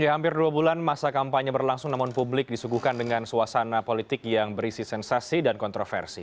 hampir dua bulan masa kampanye berlangsung namun publik disuguhkan dengan suasana politik yang berisi sensasi dan kontroversi